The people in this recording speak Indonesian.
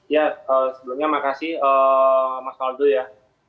ya sebelumnya makasih mas valdo ya